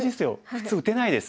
普通打てないです。